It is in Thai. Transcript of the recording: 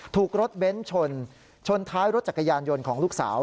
ถูกรถเบ้นชนชนท้ายรถจักรยานยนต์ของลูกสาว